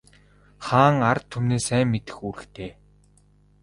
Хаан ард түмнээ сайн мэдэх үүрэгтэй.